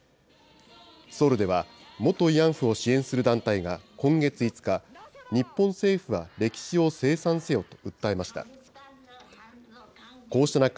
ソウルでは元慰安婦を支援する団体が今月５日、日本政府は歴史を清算せよと訴えました。